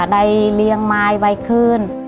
ได้เลี้ยงไม้ไว้คืน